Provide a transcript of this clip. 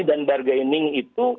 dan bargaining itu